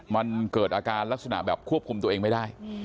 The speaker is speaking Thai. มันเกิดอาการลักษณะแบบควบคุมตัวเองไม่ได้